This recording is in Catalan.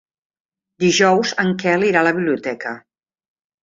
Dijous en Quel irà a la biblioteca.